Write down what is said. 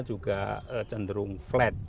juga cenderung flat